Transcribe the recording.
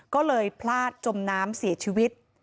ก็เลยพลาดจมน้ำเสียชีวิต